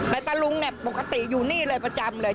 ตะลุงเนี่ยปกติอยู่นี่เลยประจำเลย